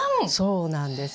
そうなんです。